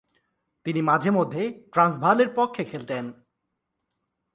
তিনি মাঝে-মধ্যে ট্রান্সভালের পক্ষে খেলতেন।